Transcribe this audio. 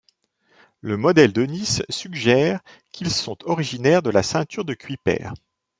Le modèle de Nice suggère qu'ils sont originaires de la ceinture de Kuiper.